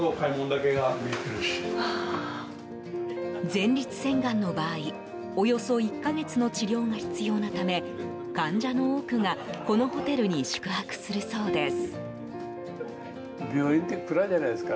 前立腺がんの場合およそ１か月の治療が必要なため患者の多くがこのホテルに宿泊するそうです。